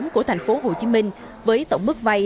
của tp hcm với tổng mức vay